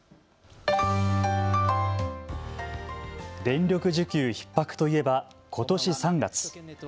電力需給ひっ迫といえばことし３月。